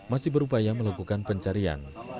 masih berupaya melakukan pencarian